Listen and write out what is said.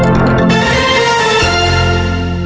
โปรดติดตามตอนต่อไป